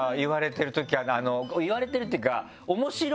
言われてるっていうか。